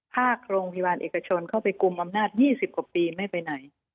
ถ้าโรงพยาบาลเอกชนเข้าไปกลุ่มอำนาจ๒๐กว่าปีไม่ไปไหน